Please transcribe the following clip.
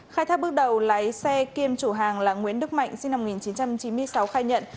khai thác bước đầu lái xe kiêm chủ hàng là nguyễn đức mạnh sinh năm một nghìn chín trăm chín mươi sáu khai nhận